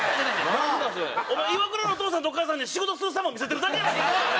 お前イワクラのお父さんとお母さんに仕事するさまを見せてるだけやないか！